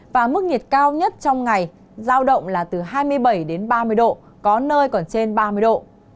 và mức nhiệt cao nhất trong ngày giao động là từ hai mươi bảy đến ba mươi độ có nơi còn trên ba mươi độ